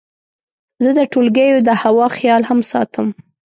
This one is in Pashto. زه د ټولګیو د هوا خیال هم ساتم.